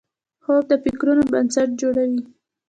خوب د فکرونو بنسټ جوړوي